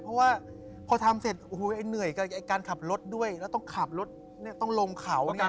เพราะว่าพอทำเสร็จเหนื่อยกับการขับรถด้วยแล้วต้องขับรถต้องลงเขา